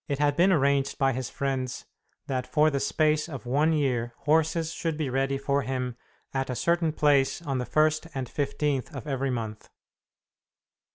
It had been arranged by his friends that for the space of one year horses should be ready for him at a certain place on the first and fifteenth of every month.